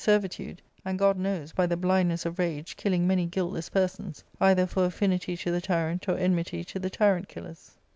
servitude, and, God knows, by the blindness of rage, killing many guiltless persons, either for affinity to the tyrant or enmity to the tyrant killers.